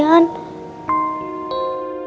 aku mau pergi